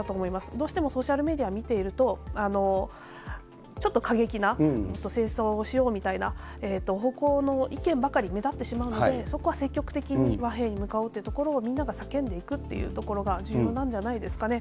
どうしてもソーシャルメディア見ていると、ちょっと過激な、もっと戦争をしようみたいな方向の意見ばかり目立ってしまうので、そこは積極的に和平に向かおうというところをみんなが叫んでいくっていうところが重要なんではないですかね。